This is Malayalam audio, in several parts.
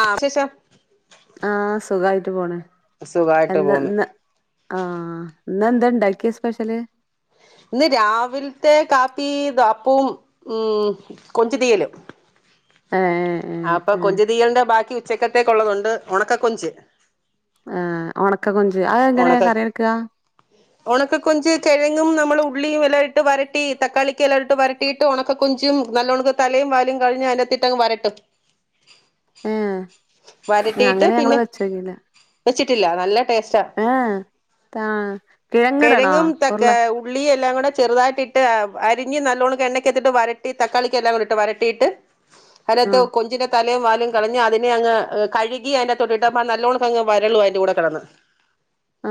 ആ ശേഷ ആ സുഖായിട്ട് പോണ് സുഖായിട്ട് അല്ല പോവുന്നു ഇന്ന് ആ ന്ന്ന്തണ്ടാക്കിയ സ്പെഷ്യല് ഇന്ന് രാവിൽത്തെ കാപ്പി വാപ്പും ഉം കൊഞ്ച് തീയല് ഏഹ് ഏഹ് ആപ്പൊ ഏഹ് കൊഞ്ച് തീയൽൻ്റെ ബാക്കി ഉച്ചക്കത്തേക്കുള്ളതുണ്ട് ഒണക്ക കൊഞ്ച് ആ ഒണക് ക്ക കൊഞ്ച് അതെങ്ങനെ കറിവെക്കാ. ഉണക്ക കൊഞ്ച് കെഴങ്ങും നമ്മള് ഉള്ളിയുഎല്ലാട്ട് വരട്ടി തക്കാളിക്കല്ലാട്ട് വരട്ടീട്ട് ഉണക്കകൊഞ്ചും നല്ലോണം തലയും വാലും കളഞ്ഞ് അതിൻ്റെകത്തിട്ടങ് വരട്ടും ഏഹ് വരട്ടീട്ട് അങ്ങനെ ഞങ്ങള് പിന്നെ വെച്ചി ല്ലാ നല്ല ടേസ്റ്റ് ഏ താ കിഴങ്ങ്ടണോ ഉര്ള എല്ലാംകൂടെ ചെറുതായിട്ട് ആവ് അരിഞ്ഞ് നല്ലോണകെണ്ണക്കകത്തിട്ട് വരട്ടി തക്കാളികല്ലാംകൊണ്ട്ട്ട് വരട്ടീട്ട് അതിനകത്തെ ആഹ് കൊഞ്ചിൻ്റെ തലയുംവാൽ കളഞ്ഞ് അതിനെയങ്ങ് കഴുകി അതിൻ്റെതൊട്ടിട്ടമ നല്ലോണകങ്ങു വരളുഅതിന്റെ കൂട കടന്ന്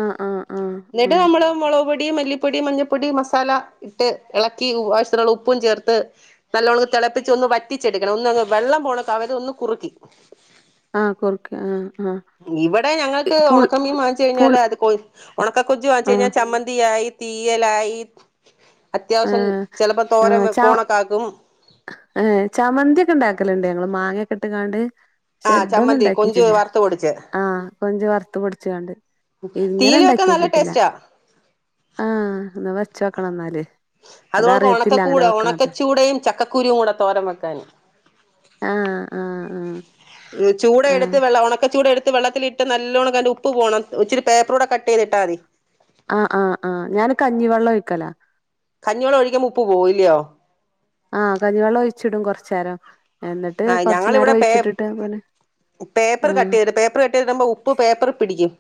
ആഹ് ആഹ് ആഹ് ന്നിട്ട് ആഹ് നമ്മള് മൊളക്പൊടി പൊടി മല്ലിപ്പൊടി മഞ്ഞപ്പൊടി മസാല ഇട്ട് എളക്കി ആവശ്യത്തിനുള്ള ഉപ്പുംചേർത്ത് നല്ലോണം തെളപ്പിച്ച് ഒന്ന് വറ്റിച്ചെടുക്കണം ഒന്ന്ന്ന് വള്ളം പോണ്ക്കവരൊന്ന് കുറുക്കി ആഹ് കുറുക്ക് ആഹ് ആഹ് ഇവടെ ഞങ്ങൾക്ക് പുൾ ഉണക്കമീം വാങ്ങിച്ചഴിഞ്ഞാൽ പുൾ അത്ക്കൊൺ ഒണക്കകൊഞ്ചി ആഹ് വാങ്ങിച്ചയ്നാചമ്മന്തിയായി തീയലായി അത്യാവിശ്യം ഏഹ് ചെലപ്പോ തോരവെക്കു തോണക്കാക്കും ഏ ചമ്മന്തിക്കെണ്ടാക്കല്ണ്ട് ഞങ്ങള് മാങ്ങക്ക്ട്ട്ങാണ്ട് ആ ശെദ്ധൊന്നും ചമ്മന്തി കൊഞ്ച് ണ്ടാക്കീട്ടില്ല വറുത്ത് പൊടിച്ച് ആ കൊഞ്ച് വറുത്ത് പൊടിച്ച്കാണ്ട് തീയല് വെക്കാൻ നല്ല ഇങ്ങനെണ്ടാക്കിക്കിട്ടില്ല ടേസ്റ്റാ ആ നിവർ ച്ചോക്കണംന്നാല് അതുകൊണ്ട് ഉണക്കക്കൂട ഉണക്കച്ചൂടയും ചക്ക കുരു കൂടെ തോരൻ വെക്കാൻ ആഹ് ആഹ് ആഹ് ചൂട ആഹ് എടുത്ത് വെള്ള ഉണക്ക ചൂട എടുത്ത് വെള്ളത്തിലിട്ട് നല്ലോണം കല്ല് ഉപ്പ് പോണം ഇച്ചിരി പേപ്പറ കൂടെ കട്ട് ചെയ്തിട്ടാ മതി ആഹ് ആഹ് ആഹ് ഞാനൊ കഞ്ഞിവെള്ളം ഒഴിക്കല കഞ്ഞി വെള്ളം ഒഴിക്കുമ്പോ ഉപ്പ് പോകുല്ലയോ ആഹ് കഞ്ഞി വെള്ളം ഒഴിച്ചിടും കുറച്ച നേരം ആ ഞങ്ങിവിടെ പേ ഒഴിച്ചിട്ടിട്ട് പിന്നെ പേപ്പർ കട്ട് ആഹ് ചെയ്തിട്ട് പേപ്പർ കട്ട് ചെയ്തിട്ടമ്പോ ഉപ്പ് പേപ്പർ പിടിക്കും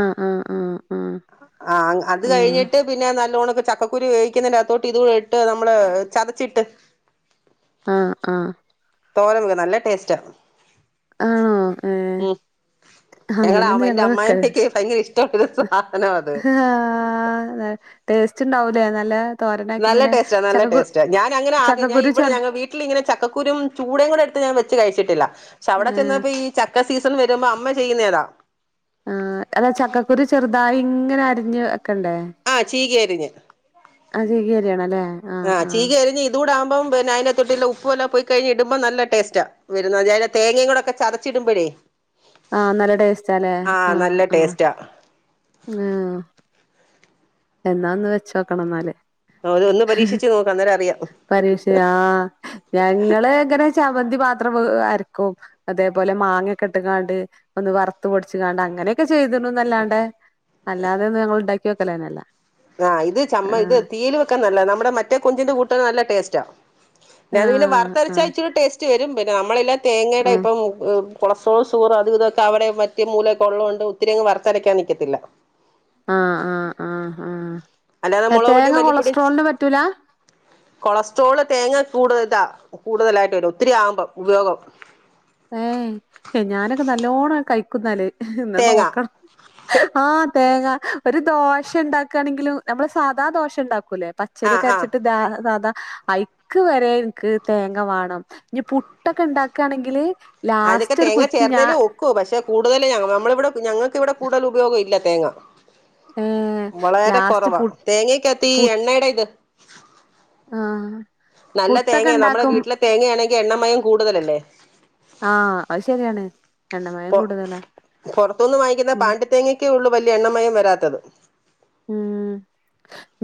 ആഹ് ആഹ് ആഹ് ആഹ അത് ആഹ് കഴിഞ്ഞിട്ട് പിന്നെ നല്ലോണക്കെ ചക്കക്കുര് വേവിക്കുന്നതിന്റെ അകത്തോട്ട് ഇതും കൂടെ ഇട്ട് നമ്മള് ചതച്ചിട്ട്. ആഹ ആഹ തോരൻ വെക്കും നല്ല ടേസ്റ്റാ ആണോ ഏ ഉം ഞങ്ങടെ അങ്ങനെയന്ന് എന്റെ ഞങ്ങള് വെക്ക അമ്മായിമ്മക്ക് ഭയങ്കര ഇഷ്ടമുള്ളൊരു സാധനാ അത് ആ ടേസ്റ്റ് ഉണ്ടാവൂലേ നല്ല തോരനാക്കി നല്ല ഇങ്ങനെ ടേസ്റ്റ നല്ല ചക്കക്കു ടെസ്റ്റ ഞാന അങ്ങനെ ആദ്യ ഞാൻ ചക്കക്കുരു ഇവിടെ ചെറു ഞങ്ങ വീട്ടിൽിങ്ങനെ ചക്കൂരും ചൂടയും കൂടെടുത്ത് ഞൻ വെച്ച് കഴിച്ചു ച്ചിട്ടില്ല പക്ഷെ അവിടെ ഏഹ് ചെന്നപ്പോ ഈ ച ചക്കാ സീസൺ വരുമ്പോ അമ്മ ചെയ്യുന്നേതാ ആ അതാ ചക്കക്കുരു ചെറുതായി ഇങ്ങനെ അരിഞ്ഞ് ക്കണ്ടേ രിഞ്ഞ് അത് ചികി അരിയണം അല്ലേ ആഹ് ആ ഇപ്പം പിന്നെ അതി ത്തൊട്ട് ഉപ്പുവെല്ലാം പോയി കഴിഞാ ഇടുമ്പോ നല്ല ടസ്റ്റാ വരുന്നത് അതി തേങ്ങയും കൂടെക്കെ ചതച്ചി ഇടുമ്പോഴേ ആ നല്ല ടേസ്റ്റ് അല്ലെ ആ നല്ല ആ ടേസ്റ്റാ ആ എന്നാന്ന് വെച്ചോക്കണം എന്നാലേ അത് ഒന്ന് പരീക്ഷിച്ച് നോക്ക് അന്നേരം അറിയാം പരീക്ഷയാ ആ ഞങ്ങള് ഇങ്ങനെ ചമ്മന്തി പാ- അരക്കും അതേപോലെ മാങ്ങക്കെ ഇട്ടാണ്ട് വറുത്തു പൊടിച്ച് അങ്ങ- ചെയ്തിനു ന്ന് അല്ലാതെ അല്ലാതെ നമ്മള് ഉണ്ടാക്കി ക്യോക്കലാന്നെ ല്ല [unintelligible] ആഹ് ഇത് ചമ്മ ഇത് തീയല് വെക്കാൻ നല്ല നമ്മുടെ മറ്റേ കൊഞ്ചി്ന്റെ കൂട്ട് - ഒ നല്ല ടേസ്റ്റാ പിന്നെ അത് പിന്നെ ആഹ് വറുത്തെരച്ച ആഹ് ഇചിരി ടേസ്റ്റ് വരും പിന്നെ നമ്മളെല്ലാം തേങ്ങയുടെ ആഹ് ഇപ്പം കൊളസ്ട്രോൾ ഷുഗറോ അത് ഇതൊക്കെ ഒക്കെ മറ്റ മൂല കൊള്ള കൊണ്ട് ഒത്തിരിയങ്ങും വറുത്തരയ്ക്കാൻ നിൽക്കത്തില്ല ആഹ് ആഹ് ആഹ് അല്ലാതെ ആഹ് മുളക് പൊടിയും തേങ്ങ മല്ലിപ്പൊടിയും കൊളസ്ട്രോളിന് പറ്റൂല കൊളസ്ട്രോള് തേങ്ങ കൂടു ഇതാ കൂടുതലായിട്ട് വരും ഒത്തിരി ആകുമ്പോ ഉപയോഗം ഏ ഏ ഞാനൊക്കെ നല്ലോണം കഴിക്കുന്നാല് എന്നാ തേങ്ങ നോക്കണം ആഹ് തേങ്ങ ഒരു ദോശ ഒണ്ടാക്കണെങ്കിലും നമ്മള് സാധാ ദോശ ഒണ്ടാക്കൂല്ലേ ആഹ് പച്ചരിയെക്കെ ആഹ് അരച്ചിട്ട് ദാ സാധാ ഐക്ക് വരെ എനിക്ക് തേങ്ങ വാണം ഇനി പുട്ടൊക്കെ ണ്ടാക്കാണെങ്കില് അതിനൊക്കെ തേങ്ങ ചേർന്നേൽ ഒക്കു പഷേ കൂടുതല് നമ്മള് ഇവിടെ ഞങ്ങക്ക് ഇവിടെ കൂടുതല് ഉപയോഗം ഇല്ല തേങ്ങ ഏഹ് വളരെ ലാസ്റ്റ് കൊറവാ പു തേങ്ങൊക്കത്തി എണ്ണേടെ ഇത് ആ നല്ല തേങ്ങയാ നമ്മടെ വീട്ടിലെ തേങ്ങയാണെ ങ്കി എണ്ണമയം കൂടുതലല്ലേ ആഹ് അത് ശരിയാണ് എണ്ണമയം പൊ കൂടുതലാ പൊറത്തൂന്ന് വാങ്ങിക്കുന്ന ഉം പാണ്ടിത്തേങ്ങക്കേ ഉള്ളൂ വലിയ എണ്ണമയം വരാത് ത്തത്- ഉം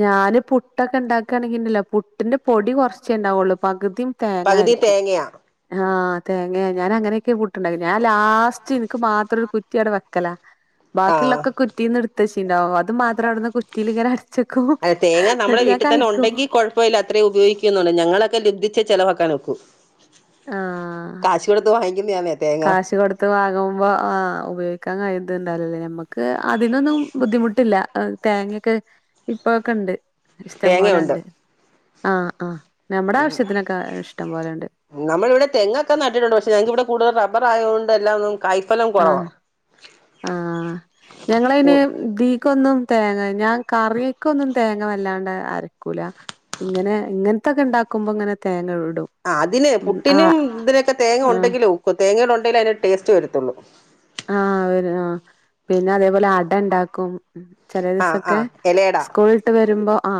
ഞാന് പുട്ടൊക്കെ ഉണ്ടാക്കയാണെങ്കി ഉണ്ടല്ലോ പുട്ടിന്റെ പൊടി കുറച്ചേ ഉണ്ടാവുള്ളൂ പകുതി പകുതി തേങ്ങയാരിക്കും തേങ്ങയാ ആ- തേങ്ങയാ ഞാൻ അങ്ങനെയൊക്കെ പൂട്ടണ്ടാക്കി ഞാൻ ലാസ്റ്റ് എനിക്ക് മാത്രം ഒരു കുറ്റിവിടെ വെക്കല ആഹ് ബാക്കിയുള്ളൊക്കെ കുറ്റീന്ന് എടു- ശ്ശി ഉണ്ടാവും അത് മാ ത്ര അവിടന്ന് കുറ്റിൽ ഇങ്ങനെ- അത് തേങ്ങ നമ്മളെ വീട്ടിൽ തന്നെ ഉണ്ടെങ്കിൽ കുഴപ്പമില്ല അത്രേ ഉപയോഗിക്കുന്ന്നള്ളൂ ഞങ്ങളൊക്കെ ലുദ്ധിച്ചെ ചിലവാക്ക ക്കാനൊക്കൂ- ആ തേങ്ങ കാശ് കൊടുത്ത് വാങ്ങുമ്പോ ആ ഉപയോഗിക്കാൻ കഴിയുന്നുണ്ടാവില്ലല്ലേ നമുക്ക് അതിനൊന്നും ബുദ്ധിമുട്ടില്ല തേങ്ങൊയൊക്കെ ഇപ്പഴൊക്കെ ഉണ്ട് ഇഷ്ടം തേങ്ങയുണ്ട് പോലെണ്ട് ആ ആ നമ്മുടെ ആവശ്യത്തിനൊക്കെ ഇഷ്ടം പോലെയണ്ട്- തെങ്ങക്കെ നട്ടിട്ടുണ്ട് പക്ഷ ഞങ്ങൾക്കിവിടെ കൂട്തൽ റമ്പർ ആയ കൊണ്ട്എല്ലാം ഒന്നും- കായ്ഫലം കൊറവാ- ആ ഞങ്ങളയിനെ ബി കൊന്നും തേങ്ങ ഞാൻ കറിയക്കൊന്നും തേങ്ങ വല്ലാണ്ട് അരക്കൂല ഇങ്ങനെ ഇങ്ങനത്തൊക്കെ ഇണ്ടാക്കുമ്പോ ഇങ്ങനെ തേങ്ങ ഉളു ആ അതിന് പുട്ടിനും ഇതിനൊക്കെ തേങ്ങ ആഹ് ഉണ്ടെങ്കിലെഒക്കു തേങ്ങ ഉണ്ടെങ്കിലേ അതിന് ടേസ്റ്റ് വരത്തുള്ളൂ- ആഹ് ഒരു ആഹ് പിന്നെ അതേപോലെ അട ഇണ്ടാക്കും- ചെല ആ ആ ദിവസൊക്കെ എലയട സ്കൂളിട്ട് വരുമ്പോ- ആ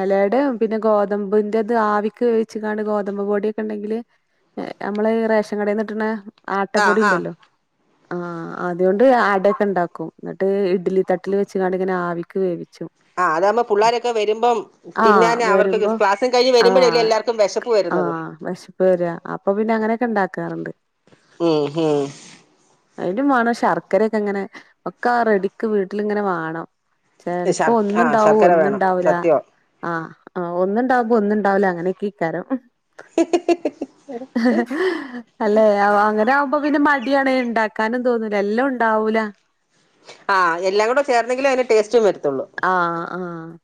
എലയുടെ പിന്നെ ഗോതമ്പിന്റെത് ആവിക്ക് വേവിച്ചണ് ഗോതമ്പ് പൊടിയൊക്കെ ഉണ്ടെങ്കില് നമ്മള് റേഷൻ കടേൽകിട്ടണ- ആ ആട്ടപ്പൊടി ആ ഉണ്ടല്ലോ? ആ അതുകൊണ്ട് അടൊക്കെ ഉണ്ടാക്കും എന്നിട്ട് ഇഡ്ലി തട്ടിൽ വെച്ചണ്ട്ങ്ങനെ ആവിക്ക് വേവി ആ അതാകുമ്പോ പുള്ളോരൊക്കെ വരുമ്പം ആഹ് തിന്നാന് അവർക്ക് വരുമ്പോ ക്ലാസ്സും കഴിഞ്ഞ് വരുമ്പോഴ അല്ലേ ആഹ് എല്ലാർക്കും വെശപ്പ് വരുന്നത്- ആഹ് ക്കാറുണ്ട്- ഉം ഹും അതിനും വേണം ശർക്കരയൊക്കെ ഇങ്ങനെ ഒക്കെ ആ റെടിക്ക് വീട്ടിലിങ്ങനെ വേണം ചെലപ്പോ ശർ ആ ഒന്നുണ്ടാവൂ ശർക്കര വേണം ഒന്നുംണ്ടാവൂല സത്യവാ ആ- ആ ഒന്നുണ്ടാവുമ്പോ ഒന്നുണ്ടാവില്ല അങ്ങനെയൊക്കെ ഇക്കാരം- അല്ലെ അങ്ങനെ ആകുമ്പോ പിന്നെ മടിയാണ ഇണ്ടാ നും തോന്നൂല എല്ലാം ഉണ്ടാവൂല ആ എലാം കൂടെ ചേർന്നെങ്കിലേ അതിന്റെ ടേസ്റ്റും വരും- ആ ആ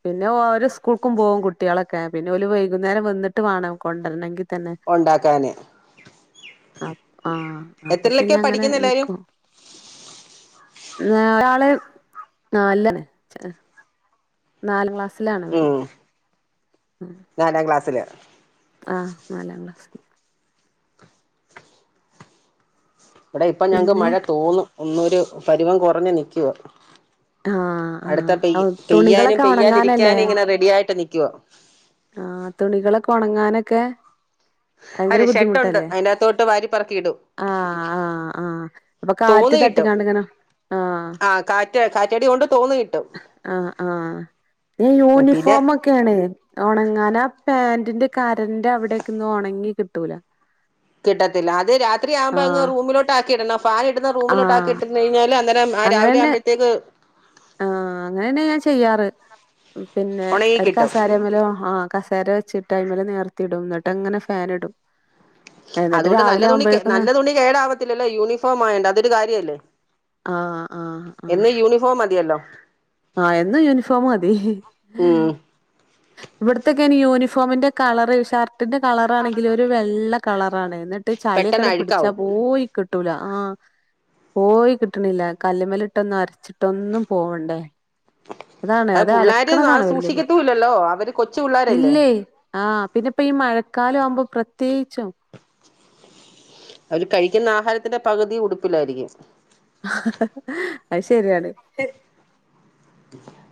പിന്നെ ഒരു സ്കൂൾക്കും പോകും കുട്ടികളൊക്കെ പിന്നെ ഒരു വൈകുന്നേരം വന്നിട്ട് വേണം കൊണ്ടരണങ്കിൽ ഉണ്ടാക്കാന് അ ആ അപ്പൊ പിന്നെ എത്രയിലൊക്കെയാ അങ്ങനെ പഠിക്കുന്നെ എല്ലാരും നിക്കോ നാലിലണ് നാല ക്ലാസ് ലാണ് ഉം വലുത് നാലാം ക്ലാസ്സില് ആ നാലാം ക്ലാസ്സില് ഇവിടെ ഇപ്പ ഞങ്ങക്ക് പിന്നെ മഴ തോന്നു ഒന്നൂരു പരുവം കുറഞ് നിൽക്കുവ ആ ആ തുണികളൊക്കെ ഉണങ്ങാനല്ലേ പെയ്യാതിരിക്കാനും ഇങ്ങനെ റെഡി ആയിട്ട് നിക്കുവാ ആ തുണികളൊക്കെ ഉണങ്ങാനൊ ക്കെ ഭയങ്കര അതെ ഷെഡുണ്ട് ബുദ്ധിമുട്ടല്ലേ അതിനകത്തോട്ട് വാരിപ്പറക്കിയിടും ആ ആ. ആ അപ്പൊ കാറ്റ് തോന്ന് കിട്ടും തട്ടിക്കാണ്ടിങ്ങനെ ആ ആ കാറ്റ് കാറ്റടി കൊണ്ട് തോന്ന് കിട്ടും ആ ആ പിന്നെ യൂണിഫോമക്കെയണ് ഉണങ്ങാന പാൻറ് ന്റെ കരന്റെ അവിടൊക്കന്ന് ഉണങ്ങി കിട്ടൂല കിട്ടത്തില്ല അത് രാത്രി ആവ്പോ അങ് ആഹ് റൂമിലോട്ട്ആക്കി ഇടണം ഫാൻ ഇടുന്ന ആഹ് റൂമിലോട്ടാക്കക്കിട്ടു കഴിഞ്ഞാ അന്നേരം ആ രാവിലെ ആവുമ്പഴത്തേക്ക് ആഹ അങ്ങനെന്നെ ഞാൻ ചെയ്യാറ് പിന്നെ ഉണങ്ങി ഒരു കിട്ടും കസേരമ്മലോ ആഹ കസേര ചിട്ടായ്മല നേർത്തി ഇടും എന്നിട്ട് അങ്ങനെ ഫാൻ ഇടും എന്നിട്ട് അതുകൊണ്ട് നല്ല രാവിലെ തുണി ആവുമ്പോഴേക്കും ന നല്ല തുണി കേടാവത്തില്ലല്ലോ യൂണിഫോം ആയേണ്ട അതൊരു കാര്യല്ലേ ആ ആ എന്ന് യൂണിഫോം മതിയല്ലോ ആഹ എന്നും യൂണിഫോം മതി ഉം ഇവിടത്തൊക്കെ നി യൂണിഫോമിന്റെ കളറ് ഷർ ട്ടിന്റെ കളറ ആണെങ്കിൽ ഒരു വെള്ള കളറാണ് എന്നിട്ട് പെട്ടെന്ന് ചളിയൊക്കെ പിടിച്ചാ അഴുക്കാവും പോയി കിട്ടൂല ആഹ് പോയി കിട്ടണില്ല കല്ല്മലിട്ടൊന്നും അരച്ചിട്ടൊന്നും പോവണ്ടേ അതാണ് അത് പിള്ളോര് ആ അലക്കണതാണ് വല്യ ബുദ്ധി സൂക്ഷിക്കത്തൂല്ലല്ലോ അവര് കൊച്ച് പിള്ളേരല്ലേ ആഹ് പിന്നെ ഇപ്പ ഈ മഴക്കാലം ആവുമ്പോ പ്രത്യേകിച്ചും അവര് കഴിക്കുന്ന ആഹാരത്തിന്റെ പകുതി ഉടുപ്പില്ലായിരിക്കും അത് ശെരിയാണ്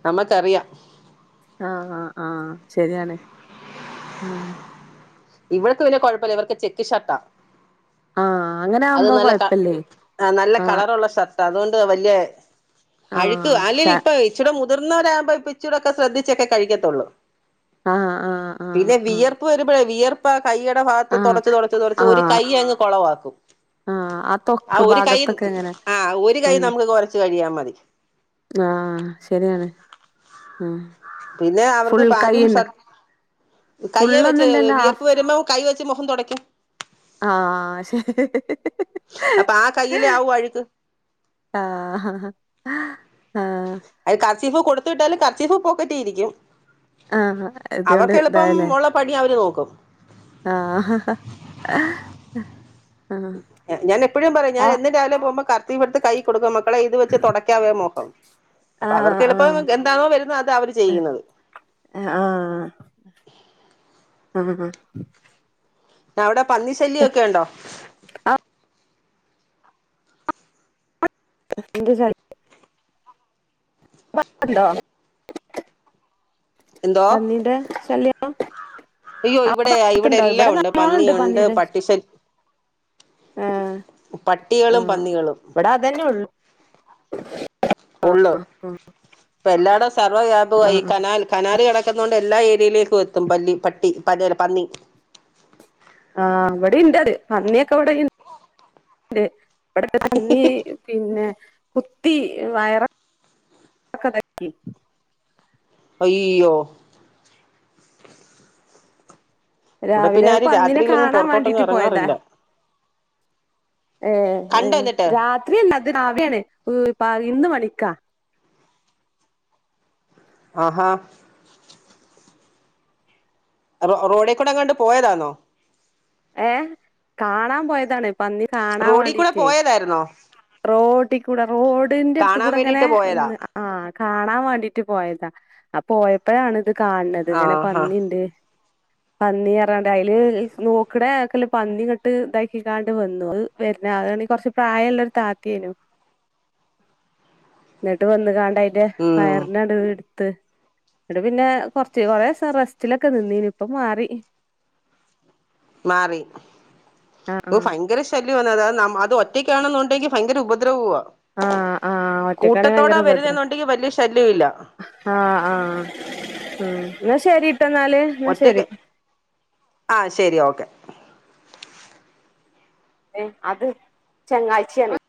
നമ്മക്കറിയാം ആഹ ശരിയാണ് ആഹ ഇവടെക്ക് പിന്നെ കുഴപ്പമില്ല ഇവർക്ക് ചെക്ക് ഷട്ടാ ആഹ് അങ്ങനെ അത് ആവുമ്പോ നല്ല കൊഴപ്പല്ലേ നല്ല ആഹ് കളർള്ള ഷർട്ട് അതുകൊണ്ട് വല്യ അഴുക്ക് ആഹ് ച അല്ലങ്ക ഇപ്പൊ ഇച്ചിട മു മുതിർന്നവരാമ്പോ പിച്ചൂടൊക്കെ ശ്രദ്ധിച്ചൊക്കെ കഴിക്കത്തുള്ളൂ ആഹ് ആഹ് ആഹ് പിന്നെ ആഹ് വിയർപ്പ് വരുമ്പോഴ വിയർപ്പ് കൈയുടെ ഭാഗത്ത് തുടച്ച് ആഹ് തുടച്ച് തുടച്ച് ആഹ് ഒരു കൈ അങ്ങ് കൊളവാക്കും ആഹ് ആ ത്വക്ക് ഒരു കൈ ഭാഗത്തൊക്കെ എങ്ങനെ ആഹ ഒരു കൈ ഉം നമുക്ക് കുറച്ച് കഴിയാ മതി ആ പിന്നെ അവർക്ക് പാന്റും ഷർട്ടും കയ്യെ വെച്ച് ഫുള്ളൊന്നുല്ലല്ലോ വിയർപ്പ് വരുമ്പോ കൈ വെ മുഖം തുടയ്ക്കും ആ ശരി അപ്പൊ ആ കയ്യിലെ ആവും അഴുക്ക് ആ ആ കസീഫ് കൊടുത്തുട്ടാലും കർസീഫ് പോക്കറ്റിയിരിക്കും ആഹ ഇതുകൊണ്ട് അവർക്ക് എളുപ്പം ഇതായല്ലേ ഉള്ള പണി അവര് നോക്കും ആഹ ഞാന എപ്പോഴും പറയും ഞാൻ എന്നും എന്റെ രാവിലെ പോകുമ്പോ ക ഇവിടുത്തെ കൈ കൊടുക്ക മക്കളെ ഇത് വെച്ച് തുടക്കാവേ മോഹം അപ്പൊ ആഹ് അവർക്ക് ആഹ് എളുപ്പം എന്താണോ വരുന്നത് അത അവര് ചെയ്യുന്നത് ആ ആ അവിടെ പന്നിശല്യൊക്കെ ഒ ണ്ടോ [unintelligible] ണ്ടോ പന്നീന്റെ ശല്യാ ആ യ്യോയി ഇവിടെ ഇവിടെ എല്ലാം ഉണ്ട് പന്നിുണ്ട് പട്ടിശല് ആ ആ പട്ടികളും പന്നികളും ഇവിടെ അതന്നെ ഉള്ളു ഉള്ളു ഇപ്പ എല്ലാടെ ആ സർവവ്യാപയി കനാൽ കനാൽ കിടക്കുന്നണ്ട് എല്ലാ ഏ യിലേക്ക് ഏത്തും പല്ലി പട്ടി പലെ പന്നി ആഹ് ഇവിടെണ്ട് അത് പന്നിയൊക്കെ ഇവിടെണ്ട് ഇവിടൊക്കെ പന്നി പിന്നെ കുത്തി വയറ ക്കെ ഇതക്കി അയ്യോ ഇവിടെ പിന്നെ രാവിലെ ആരും പന്നിനെ രാത്രിയിലെങ്ങും കാണാൻ പുറത്തോട്ടൊന്നും വേണ്ടിട്ട് പോയതാ ഇറങ്ങാറില്ല ഏ ഏ കണ്ടോ എന്നിട്ട് രാത്രിയല്ല അത് രാവിലെയാണ് ഉഹ് പ ഇന്ന് മണിക്കാ ആഹ റോഡേക്കൂടെ അങ്ങണ്ട് പോയതാന്നോ ഏ കാണാൻ പോയതാണ് പന്നി കാണാൻ റോഡി കൂടെ വേണ്ടിട്ടേ പോയതായിന്നോ റോട്ടി കൂട റോഡിന്റെടുത്ത കൂടെ അങ്ങനെ വേണ്ടിട്ട് പോയതാ ഒന്ന് ആ കാണാൻ വേ ട്ടിറ്റ് പോയതാ അ പോയപ്പോഴാാണ് ഇത് കാണത് ഇങ്ങനെ ആഹാ പന്നിണ്ട് പന്നി അറാണ്ട് അയിൽ നോക്കടക്കെല്ല പന്നിങ്ങട്ട് ഇതാക്കിക്കാണ്ട് വന്നു അത് വരുന്ന അതണെങ്കിൽ കുറച്ച് പ്രായുള്ള ഓ തതെനോ എന്നിട്ട് വന്ന് ക യിന്റെ ഉം വയറിനടുവിലൊരു ത് ഇടെ പിന്നെ കൊറച്ച് കൊറെസൊ റെസ്റ്റിലൊക്കെ നിന്നീനി ഇപ്പൊ മാറി മാറി ആ ഓ ഭയങ്കര ശ [unintelligible] അത് ആ ഒറ്റയ്ക്കാണെന്നുണ്ടെങ്കിൽ ഭയങ്കര ഉപദ്രവുവ ആ ആ ഒറ്റേക്കണി ഭയങ്കര ഉബദ്രവ വരുന്നെന്നുണ്ടെങ്കിൽ വലിയ ശല്യമില്ല ആ ആ ആ എന്ന ശരി പോട്ടെന്നാല് എന്നാ ശരി ഒറ്റയ്ക്ക് ആ ശരി ഓക്കെ ഏ അത് ചങ്ങായിച്ചിയാണ്